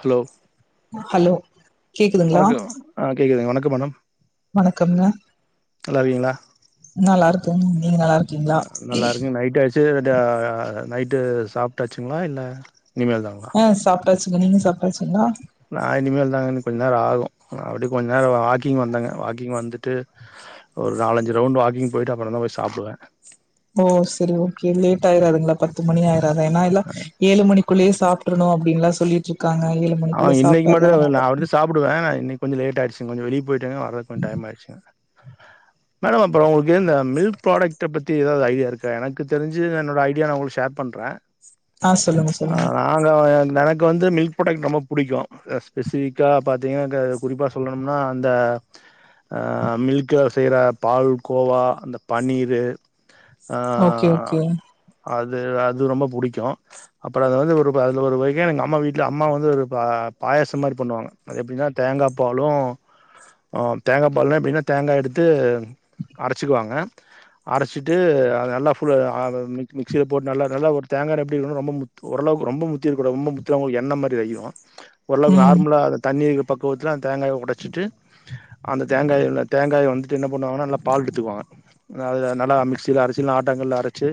hello hello கேக்குதுங்களா வணக்கம் ஆ கேக்குதுங்க வணக்கம் மேடம் வணக்கம்ங்க நல்லா இருக்கீங்களா நல்லா இருக்குங்க நீங்க நல்லா இருக்கீங்களா ஆ நல்லா இருக்கு [unintelligible] நைட்டு சாப்டாச்ங்களா இல்ல இனிமேல் தாங்களா ஆ சாப்பிட்டாச்சுங்க நீங்க சாப்பிடாச்சுங்களா நா இனிமே இருந்தாங்க இன்னும் கொஞ்ச நேரம் ஆகும் அப்படியே கொஞ்ச நேரம் வாக்கிங் வந்தங்க வாக்கிங் வந்துட்டு ஒரு நாலஞ்சு ரவுண்ட் வாக்கிங் போயிட்டு அப்புறமா போய் சாப்டுவேன் ஓ சரி ஓகே லேட் ஆயிராதுங்களா பத்து மணி ஆயிரது ஏன்னா இல்ல ஏழு மணிக்குள்ளயே சாப்ட்றணும் அப்டின்லா சொல்லிச்சு அவ இன்னைக்கு மட்டு தா [unintelligible] நான் வந்து சாப்டுவேன் இன்னைக்கு கொஞ்சொ லேட் ஆயிடுச்சு கொஞ்சொ வெளியே போயிட்டேங்க வர்றது கொஞ்சொ டைம் ஆயிடுச்சுங்க மேடம் அப்றம் உங்களுக்கு இந்த மில்க் ப்ராடக்ட்டா பத்தி ஏதாவது ஐடியா இருக்க எனக்கு தெரிஞ்ச என்னோட ஐடியா ஒங்களுக்கு ஷேர் பண்றே ஆ சொல்லுங்க அ சொல்லுங்க நாங்க எனக்கு வந்து மில்க் ப்ராடக்ட் ரொம்ப புடிக்கும் ஸ்பெசிபிக்கா பாத்தீங்க குறிப்பா சொல்லணும்னா அந்த அ மில்க்ல செய்ற பால் கோவா அந்த பன்னீரு ஆ ஓகே ஓகே அது அது ரொம்ப புடிக்கும் அப்புற அத வந்து ஒரு அதுல ஒரு வகைய எங்க அம்மா வீட்ல அம்மா வந்து ஒரு பா பாயசம் மாரி பண்ணுவாங்க அது எப்டின்னா தேங்கா பாலும் ஆ தேங்கா பால்ன எப்டின்னா தேங்கா எடுத்து அரைச்சிக்குவாங்க அரைச்சிட்டு அத நல்லா ஃபுல் அ அத மி மிக்சியில் போட்டு நல்லா நல்லா ஒரு தே தேங்காரு எப்டி இருக்கனு ரொம்ப முத்து [unintelligible] ரொம்ப முத்திருக்க கூடாது ரொம்ப முத்தா என்ன மாரி ஆயிரும் ஓரளவுக்கு ம் நார்மலா அந்த தண்ணீக் பக்குவத்துல அந்த தேங்காய உடைச்சிட்டு அந்த தேங்காய் [unintelligible] தேங்காய் வந்துட்டு என்ன பண்ணுவாங்னா நல்லா பால் எடுத்துக்குவாங்க ம் அதுல நல்லா மிக்சில அரைச்சு இல்னா ஆட்டாங் கல்ல அரைச்சு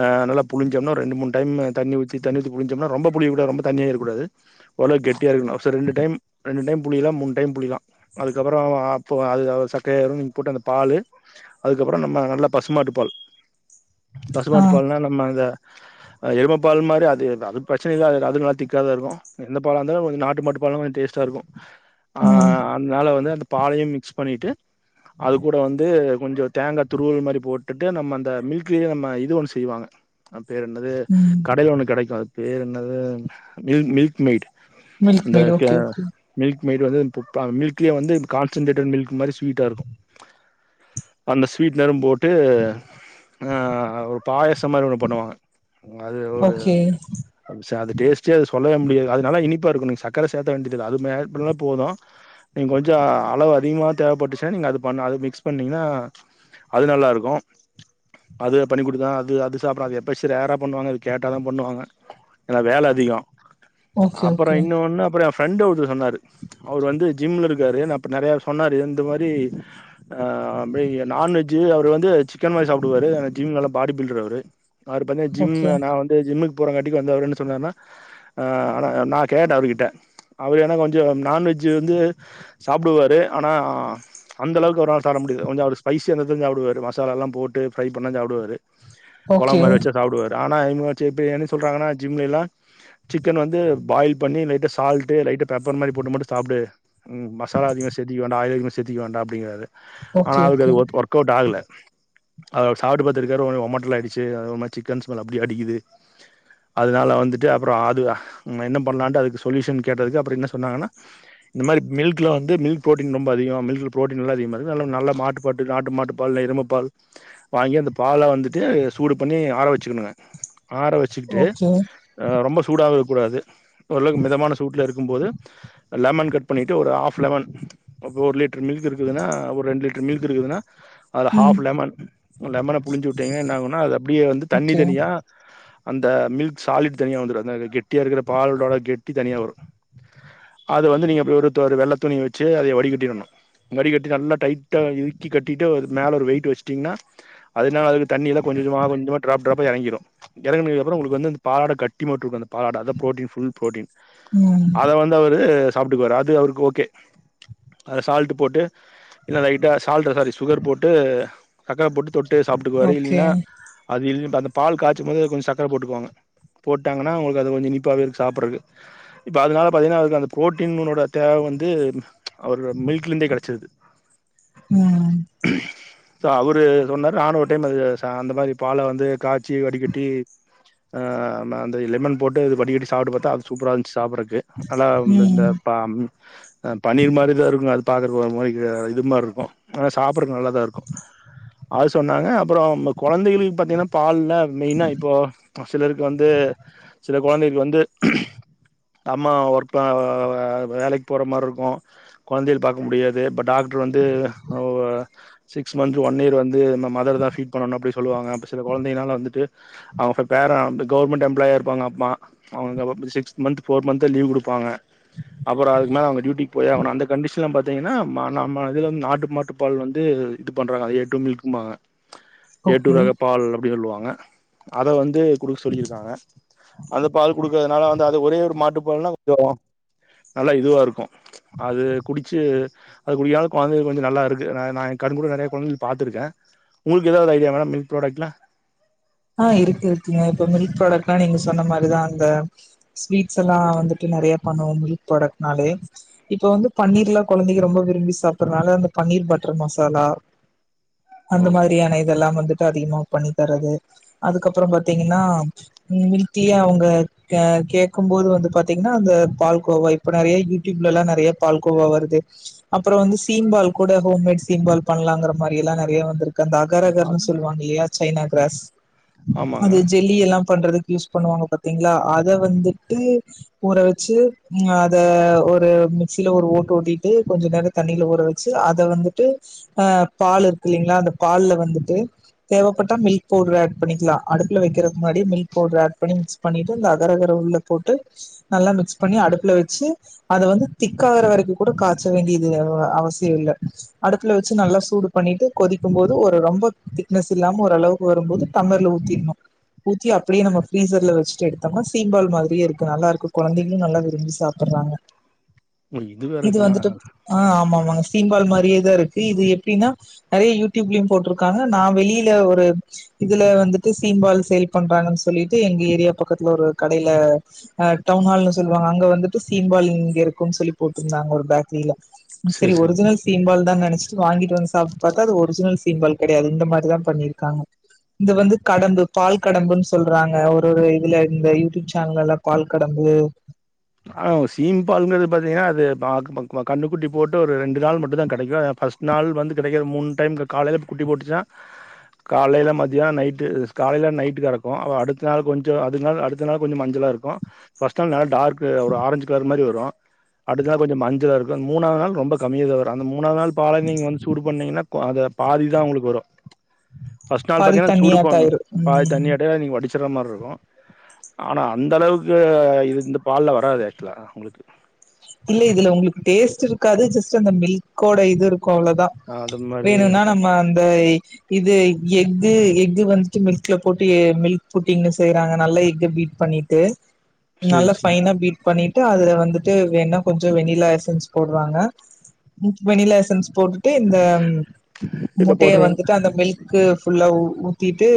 ஆ நல்லா புழிஞ்சம்ன ரெண்டு மூணு டைம் தண்ணி ணி ஊத்தி தண்ணி ஊத்தி புழிஞ்சம்னா ரொம்ப புழிய கூடா ரொம்ப தண்ணியாட கூடாது ஓலக் கெட்டியாருக்கணு சேர் ரெண்டு டைம் ரெண்டு டைம் புழிலா மூணு டைம் புழிலா அதுக்கப்றம் அப்போ அ அது சக்கையா [unintelligible] போட்டு அந்த பாலு அதுக்கப்றம் நம்ம நல்ல பசுமாட்டுப்பால் ஆ பசுமாட்டு பால்னா நம்ம அத அ எரும பால் மாரி அது அது பிரச்சன இல்ல அது அது நல்லா திக்காதாருக்கு எந்த பாலாந்தாலு கொஞ்சோ நாட்டு மாட்டு பாலுனா கொஞ்சோ டேஸ்ட்டாருக்கு ஆ ம் அத்னால வந்து அந்த பாலையு மிக்ஸ் பண்ணிட்டு அது கூட வந்து கொஞ்சோ தேங்கா துருவல் மாரி போட்டுட்டு நம்ம அந்த மில்க்லே நம்ம இது ஒன்னு செய்வாங்க அ பேர் என்னது ம் கடைல ஒன்னு கெடைக்கு அது பேர் என்னது மில் மில்க் மெய்ட் மில்க் அந்த மேட் க ஓகே மில்க் மெய்ட் வந்து ப ப மில்க்லே வந்து கான்சன்ட்ரேட்டடு மில்க் மாரி ஸ்வீட்டாருக்கு அந்த ஸ்வீட் னரும்போட்டு அ ஒரு பாயச [unintelligible] மாரி ஒன்னு பண்ணுவாங்க அது ஒரு ஓகே ச அது டேஸ்ட்டே அது சொல்லவே முடியாது அது நல்லா இனிப்பாருக்கு நீங் சக்கர சேத்த வேண்டிதில்ல அது மே ஆட் பண்ணா போது நீங்க கொஞ்சோ அளவு அதிகமா தேவ [unintelligible] நீங்க அது பண்ணா அது மிக்ஸ் பண்ணீங்னா அது நல்லாருக்கு அதுல பண்ணி குடுத்தா அது அது சாப்புற அது எப்பாச்சி ரேரா பண்ணுவாங்க அது கேட்டாதா பண்ணுவாங்க ஏனா வேல அதி கம் ஓகே ஓகே அப்பறம் இன்னு ஒன்னு அப்றம் ஃப்ரெண்ட் ஒருத்த சொன்னாரு அவரு வந்து ஜிம்லருக்காரு ந அப்ப நறையா சொன்னாரு இந்த மாரி ஆ அ அப்டி நான்வெஜ்ஜு அவரு வந்து சிக்கன் மாரி சாப்டுவாரு எனா ஜிம் நல்லா பாடி பில்ட்ரு அவரு அவரு பாத்தீங்ன ஓகே ஜிம்மு நா வந்து ஜிம்முக்கு போறங்காட்டிக்கு வந்து அவரு என்ன சொன்னாருனா அ ஆனா நா கேட்டே அவருகிட்ட அவர் ஏனா கொஞ்சோ நான்வெஜ் வந்து சாப்டுவாரு ஆனா அந்தளவுக்கு அவ தர முடியா கொஞ்சோ அவரு ஸ்பைசியாந்தா தா ஜாப்டுவாரு மசாலாலா போட்டு ப்ரை பண்ண ஜாப்டுவாரு கொலம் ஓகே மாரி வச்சா சாப்டுவாரு ஆனா [unintelligible] இப்ப என்ன சொல்றாங்கனா ஜிம்ல எல்லா சிக்கன் வந்து ந்து பாயில் பண்ணி லைட்டா சால்ட்டு லைட்டா பேப்பர் மாரி போட்டு மட்டு சாப்டு ம் மசாலா அதிகமா சேத்திக்க வேண்டா ஆயில் அதிகமா சேத்திக்க வேண்டா அப்டிங்ராரு ஆனா ஓகே அவருக்கு ஓகே ஓகே அது ஒர்க் ஒர்க்வுட் ஆகுல அத அவரு சாப்ட்டு பாத்துருக்காரு ஒண்ணே ஒமட்டலாயிடுச்சு அது ஒரு மாரி சிக்கன் ஸ்மெல் அப்டே அடிக்குது அதனால வந்துட்டு அப்றம் அது ம் என்ன பண்லான்ட்டு அதுக்கு சொலூஷன் கேட்டதுக்கு அப்ற என்ன சொன்னாங்னா இந்த மாரி மில்க்ல வந்து மில்க் ப்ரோட்டீன் ரொம்ப அதி [unintelligible] மில்க்ல புரோட்டீன் நல்ல அதிகமாருக்கு நல் நல்ல மாட்டு பட்டு நாட்டு மாட்டுப்பால் இல்ல எரும பால் வாங்கி அந்த பால வந்து துட்டு சூடு பண்ணி ஆர வச்சுக்குணுங்க ஆற வச்சுக்கிட்டு ஓகே அ ரொம்ப சூடாவ [unintelligible] கூடாது ஒரளவுக்கு மிதமான சூட்ல இருக்கும்போது லெமன் கட் பண்ணிட்டு ஒரு ஆஃப் லெமன் ஒரு லிட் ட்ரு மில்க் இருக்குதுன்னா ஒரு ரெண்டு லிட்ரு மில்க் இருக்குதுனா அதுல ம் ஹாஃப் லெமன் லெமன புழிஞ்சு உட்டிங்னா என்ன குனா அது அப்டியே வந்து தண்ணி ஓகே தனியா அந்த மில்க் சாலிட் தனியா வந்துரு அந்த கெட்டியா இருக்குற பால்டோட கெட்டி தனியா வரு அது வந்து நீங்கப் ஒருத் ஒரு வெள்ள துணி வச்சு அதய வடிகட்டிடணு வடிகட்டி நல்லா டைட்டா இருக்கி கட்டிட்டு அது மேல ஒரு வெயிட் வச்சுட்டிங்னா அதுனா அது தண்ணிலா கொஞ் கொஞ்சமா கொஞ் கொஞ்சமா ட்ராப் ட்ராப்பா எறங்கிரு எறங்னதுக்கப்றம் உங்குளுக்கு வந்து அந்த பாலாடக் கட்டி மட்டு இருக்கு அந்த பாலாட அதா புரோட்டீன் ஃபுல் புரோட்டீன் ம் அத வந்து அவுரு சாப்ட்டுக்குவாரு அது அவுருக்கு ஓகே அத சால்ட்டு போட்டு இல்ல லைட்டா சால்ட்ல சாரி சுகர் போட்டு சக்கர போட்டு தொட்டு சாப்ட்டுக்குவாரு இல்லின்னா ஓகே அது [unintelligible] அந்த பால் காய்ச்சும்போது கொஞ்ஜோ சக்கர போட்டுக்குவாங்க போட்டாங்னா அவுங்களுக்கு அது கொஞ்ச இனிப் பாவே ருக்கு சாப்புறக்கு இப்ப அதனால பாத்தீங்னா அந்த [unintelligible] புரோட்டீன் ஓட தேவ வந்து அவர் மில்க் லிந்தே கெடச்சிருது ம் சோ அவரு சொன்னாரு நானு ஒரு டைம் அது அந்த மாரி பால வந்து காய்ச்சி வடிக்கட்டி அ ம அந்த லெமன் போட்டு வடிக்கட்டி சாப்ட்டு பாத்தா அது சூப்பராந்துச்சு சாப்புறக்கு து ஆனா இந்த ம் ப பன்னீர் மாதிரி தா இருக்கு அ பாத்துருக்கோ ஒரு மாரி அ இது மாரி இருக்கு ஆனா சாப்புட்றக்கு நல்லாதா இருக்கு அது சொன்னாங்க அப்றோ கொழந்தைகளுக்கு பாத்தீங்கன்னா பால்ல மெயினா இப்போ சிலருக்கு வந்து சில கொழந்தைக்கு வந்து அம்மா ஒர்க் ஆ வேலைக்கு போற மாரி இருக்கு கொழந்தைகள் பாக்க முடியாது இப்ப டாக் டர் வந்து ஓ சிக்ஸ் மந்த் ஒன் இயர் வந்து ம மதர் தா ஃபீட் பண்ணணு அப்டி சொல்லுவாங்க அப்ப சில கொழந்தைகனால வந்துட்டு அவங்க ஃப பே ர வந்து கவர்மெண்ட் எம்ப்ளாயா இருப்பாங்க அம்மா அவுங்க அப்ப six month four month leave குடுப்பாங்க அப்றோ அதுக்கு மேல அவுங்க டியூட்டிக்கு போயே ஆகனு அந்தக் கண்டிஷன்லா பா த்தீங்கன்னா ம நம்ம இதுல வந்து நாட்டு மாட்டு பால் வந்து இது பண்றாங்க ஏ டூ ‌மில்க் மா ஏ டூ ஓகே ரக பால் அப்டி சொல்லுவாங்க அத வந்து குடுக்க சொல்லிருக்காங்க அந்த பால் குடுக்கறதுனால வந்து அது ஒரே ஒரு மாட்டு பால்னா கொஞ்சோ நல்லா இதுவா இருக்கு அது குடிச்சு அது குடிக்காத கொழந்தைகளுக்கு வந்து நல்லா இருக்கு ந நா கண் கூடா நெறையா கொழந்தைகள் பாத்துருக்கே உங்குளுக்கு ஏதாவது ஐடியா மா மில்க் பிராடக்ட்ல ஆ இருக்கு இருக்குங்க இப்ப மில்க் ப்ராடக்ட்லா நீங்க சொன்ன மாரி தா அந்த ஸ்வீட்ஸ் எல்லா வந்துட்டு நறையா பண்ணுவோ மில்க் பிரோடக்ட் நாலே இப்ப வந்து பன்னீர்லா கொழந்தைங்க ரொம்ப விரும்பி சாப்புறனால அந்த பன் னீர் பட்டர் மசாலா ஓ அந்த மாதிரியான இதெல்லா வந்துட்டு அதிகமா பண்ணி தரது அதுக்கப்புறோ பாத்தீங்கன்னா மில்க்லயே அவுங்க கே கேக்கும் போது வந்து பாத்தீங் கன்னா அந்த பால் கோவா இப்போ நறைய யூடியூப்ல எல்லா நறைய பால்கோவா வருது அப்புறோ வந்து சீம் பால் கோ கூட ஹோம் மேட் சீம்‌‌ பால் பண்லாங்கற மாரி எல்லா நறைய வந்துருக் அந்த அகர் அகர்ன்னு அது சொல்லுவாங்க இல்லையா சைனா கிராஸ் ஆமாங்க அது ஜெல்லி எல்லா பண்றதுக்கு யூஸ் பண்ணுவாங்க பாத்தீங்களா அத வந்துட்டு ஊற வெச்சு அத ஒரு மிக்சில ஒரு ஓட்டு ஓட்டிட்டு கொஞ்சோ நேர தண்ணில ஊற வெச்சு அத வந்துட்டு ஆ பால் இருக்கு இல்லீங்களா அந்த பால்ல வந்துட்டு தேவப்பட்டா மில்க் பவுடர் ஆட் பண்ணிக்குலா அடுப்புல வைக்கிறக்கு முன்னாடியே மில்க் பவுடர் ஆட் பண்ணி மிக்ஸ் பண்ணிட்டு அந்த அகர் அகர உள்ளப் போட்டு நல்லா மிக்ஸ் பண்ணி அடுப்புல வெச்சு அத வந்து திக்காகுற வரைக்கு கூட காச்ச வேண்டியது அவசியோ இல்ல அடுப்புல வெச்சு நல்லா சூடு பண்ணிட்டு கொதிக்கும் போது ஒரு ரொம்ப திக்னஸ் இல்லாம ஒரு அளவுக்கு வரும் போது டம்லர்ல ஊத்திட்ணு ஊத்தி அப்டியே நம்ம ஃப்ரீசர்ல வச்சுட்டு எடுத்தோம்னா சீம்பால் மாரியே இருக்கு நல்லா இருக்கு கொழந்தைகளு நல்லா விரும்பி சாப்டுறாங்க ஓ வேற இது இருக்குங்களா வந்துட்டு ஆ ஆமா ஆமாங்க சீம்பால் மாரியே தா இருக்கு இது எப்டின்னா நறைய யூடியூப்லயு போட்ருக்காங்க நா வெளியில ஒரு இதுல வந்துட்டு சீம்பால் சேல் பண்றாங்கன்னு சொல்லிட்டு எங்க ஏரியா பக்கத்துல ஒரு கடையில அ டவுன் ஹால்னு சொல்லுவாங்க அங்க வந்துட்டு சீம்பால் இங்க இருக்குன்னு சொல்லி போட்டுருந்தாங்க ஒரு பேக்ரியில சரி செரி சரி ஒரிஜினல் சீம்பால் தா நெனச்சிட்டு வாங்கிட்டு வந்து சாப் பாத்தா அது ஒரிஜினல் சீம்பால் கெடையாது இந்த மாதிரிதா பண்ணிருக்காங்க இத வந்து கடம்பு பால் கடம்புன்னு சொல்றாங்க ஒரு ஒரு இதுல இந்த யூடியூப் சேனல்லலா பால் கடம்பு பு ஆ சீம் பாலுங்குறது பாத்தீங்கன்னா அது நாக் மக் ம கண்ணுக்குட்டி போட்டு ஒரு ரெண்டு நாள் மட்டு தா கெடைக்கு அத பா ஃபஸ்ட் நாள் வந்து கெடைக்க மூணு டைம் காலையில குட்டி போட்டுச்சுனா காலையில மதியோ நைட்டு காலைல நைட் கறக்கு அடுத்த நாள் கொஞ்சோ அடுத்த நாள் அடுத்த நாள் கொஞ்சோ மஞ்சளா கறக்கு ஃபர்ஸ்டு நாள் நல்லா டார்க் கு ஒரு ஆரஞ்ச் கலர் மாரி வரு அடுத்த நாள் கொஞ்சோ மஞ்சளா இருக்கு மூணா நாள் ரொம்ப கம்மியா தரு அந்த மூணா நாள் பால நீங்க வந்து சூடு பண்ணீங்கன்னா கு அத பாதிதா உங்களுக்கு வரு ஃபஸ் நாள் பாதி பாத்தீங்கன்னா சூடு பண் தண்ணியாட்டாயிரு பால் ம் தண்ணி அடைய நீங்க வடிச்சுக் குற மாரி இருக்கு ஆனா அந்த அளவுக்கு இது இந்த பால்ல வராது ஆக்சுவலா உங்களுக்கு இல்ல இதுல உங்களுக்கு டேஸ்ட் இருக்காது ஜஸ்ட் அந்த மில்க்கோட இது இருக் கொவ்ளதா அது மாரி வேணும்னா நம்ம அந்த இது எக்கு எக்கு வந்துட்டு மில்க்க்ல போட்டு மில்க் ட்டிங்க செய்றாங்க நல்லா எ பீட் பண்ணிட்டு சேரி நல்ல சேரி பைனா பீட் பண்ணிட்டு அதுல வந்து துட்டு வேண்ணா கொஞ்ச வென்னிலா எஸ்ஸன்ஸ் போட்றாங்க வெண்ணிலா எஸ்சன்ஸ் போட்டுட்டு இந்த இத முட்டய போட்றாங்க வந்துட்டு அந்த மில்க்கு ஃபுல்லா ஊட்டிட்டு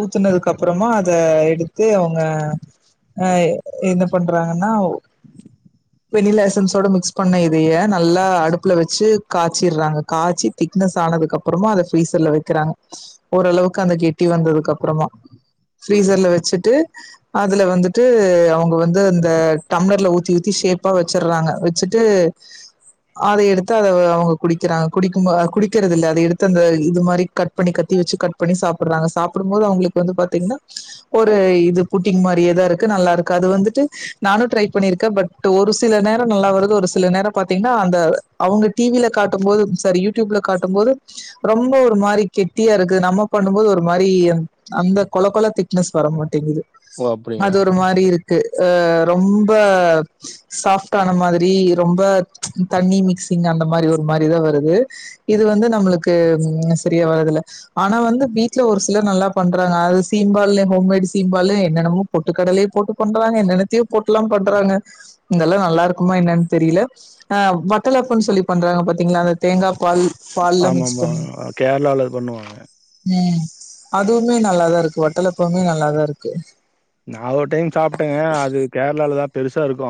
ஊத்துனதுக்கு அப்புறமா அத எடுத்து அவ்ங்க அ என்ன பண்றாங்கன்னா வெண்ணிலா எசன்ஸோட மிக்ஸ் பண்ண இதய நல்லா அடுப்புல வச்சு காய்சிற்றாங்க காச்ச திக்னஸ் ஆனது அப்புறமா அத ப்ரிசெர்ல வெக்கிறாங்க ஓரளவுக்கு அந்த கெட்டி வந்ததுக்கு அப்புறமா ப்ரிசெர்ல வெச்சிட்டு அதுல வந்துட்டு அவ்ங்க வந்து இந்த டம்ளர்ல ஊத்திஊ த்தி ஷேப்பா வச்சறாங்க வெச்சிட்டு அத எடுத்து அத அவ்ங்க குடிக்கிறாங்க குடிக்கும் குடிக்கறத இல்ல அத எடுத்து அந்த இது மாரி கட் பண்ணி கத்தி இ வச்சி கட் பண்ணி சாப்புற்றாங்க சாப்புடும்போது அவ்ங்களுக்கு வந்து பாத்தீங்னா ஒரு இது புட்டிங் மாரிதா இருக்கு நல்லா இருக்கு அது வந்துட்டு நானு ட்ரை பண்ணியிருக்கே பட் ஒரு சில நேர நல்லா வருது ஒரு சில நேரம் பாத்தீங்னா அந்த அவ்ங்க டிவில காட்டும்போது சரி யூட்யூப்ல காட்டும்போது ரொம்ப ஒரு மாரி கெட்டியா இருக்கு நம்ம பண்ணும்போது ஒரு மாரி அந்த கொல கொல திக்னஸ் வரமாட்டேங்குது ஓ அப்டிங்களா அது ஒரு மாரி இருக்கு அ ரொம்ப சாஃப்ட் ஆன மாரி ரொம்ப தண்ணி மிக்சிங் அந்த மாரி ஒரு மாரிதா வருது இது வந்து நம்மளுக்கு சரியா வரதுல ஆனா வந்து வீட்ல ஒரு சிலர் நல்லா பண்றாங்க அது ச சீம்பால்லே ஹோம்மேட் சீம்பாலு என்னென்னமோ போட்டு கடலே போட்டு பண்றாங்க என்னென்னத்தயு போட்டுலா பண்றாங்க இதல்லா நல்லாருக்குமா என்னன் தெரியல அ வட்டலப்பன் சொல்லி பண்றாங்க பாத்தீங்ளா அந்த தேங்கா பால் பால்லா ஆமா மிக்ஸ் ஆமா பண்ணி கேரளால இது பண்ணுவாங்க ம் அதுவுமே நல்லாதா இருக்கு வட்டலப்பவுமே நல்லாதா இருக்கு நா ஒரு டைம் சாப்ட்டங்க அது கேர்ளாலதா பெருசா இருக்கு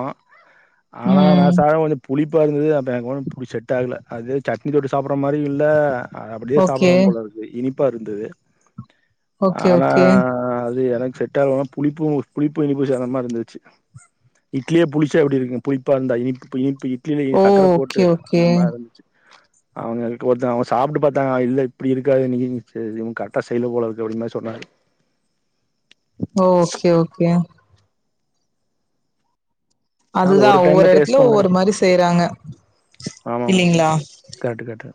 ஆனா நா ம் சாரு கொஞ்ச புளிப்பா இருந்துது அப்ப எங்க ஒ புடி செட் ஆகல அது சட்னி தொட்டு சாப்புட்ற மாரி இல்ல அப்டியே ஓகே சாப்புட்றது போல இருக்கு இனிப்பா இருந்துது ஓகே ஆனா ஓகே அது எனக்கு செட்டாலன் புளிப்பு புளிப்பு இனிப்பு சேந்தா மாரி இருந்துச்சு இட்லியே புளிச்சா எப்டி இருக்கு புளிப்பா இருந்தா இனிப்பு இனிப்பு ட்லிலியே ஓ சக்கர போட்டு ஓகே ஓகே அந்த மாரி இருந்துச்சு அவங்க ஒருத்த அவங்க சாப்புட்டு பாத்தாங்க இல்ல இப்படி இருக்காது இன்க்கு இ கட்ட செய்யல போல இருக்கு அப்டின் மாரி சொல்றாங்க ஓ ஓகே ஓகே நா அது அதுதா ஒரு டைம் தா ஒவ்வொரு டேஸ்ட் எடத்துல பண்ணே ஒவ்வொரு மாரி செய்றாங்க ஆமா ஆமா இல்லைங்களா கரட்டு கரட்டு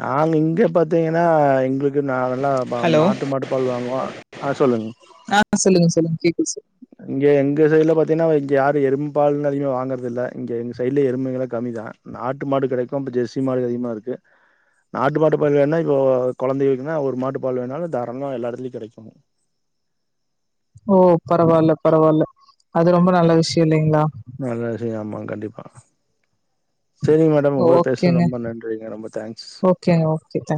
நாங் இங்க பாத்தீங்கன்னா எங்களுக்கு நா நல்லா ஹலோ நாட்டு மாட்டு பால் வாங்குவோ அ சொல்லுங்க ஆ சொல்லுங்க சொல்லுங்க கேக்குது சொ இங்க எங்க சைட்ல பாத்தீங்கனா இங்க யாரு எரும பால் அதிகமே வாங்குறதில்ல இங்க எங்க சைட்ல எருமைங்கலா கம்மி தா நாட்டு மாடு கெடைக்கு இப்ப ஜெர்சி மாடு அதிகமா இருக்கு நாட்டு மாட்டு பால் வேணுன்னா இப்போ கொழந்தைக்கு வைக்குன்னா ஒரு மாட்டு பால் வேணாலு தாராளமா எல்லா எடத்துலயு கெடைக்கு ஓ பரவால்ல பரவால்ல அது ரொம்ப நல்ல விஷ்யம் இல்லைங்களா நல்லது செய்யாமா கண்டிப்பா சேரிங் மேடம் உங்க கூட பேசுனது ஓகேங்க ரொம்ப நன்றிங்க ரொம்ப தேங்க்ஸ் ஓகேங்க ஓகே தேங்க்